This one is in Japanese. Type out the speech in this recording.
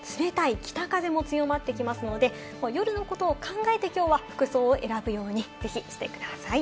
しかも、夜には冷たい北風も強まってきますので、もう夜のことを考えて、きょうは服装を選ぶように、ぜひしてください。